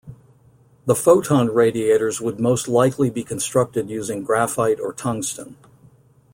The photon radiators would most likely be constructed using graphite or tungsten.